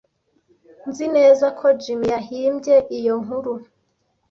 Nzi neza ko Jim yahimbye iyo nkuru.